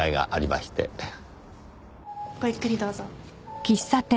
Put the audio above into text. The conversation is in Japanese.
ごゆっくりどうぞ。